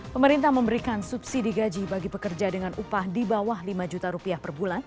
pemerintah memberikan subsidi gaji bagi pekerja dengan upah di bawah lima juta rupiah per bulan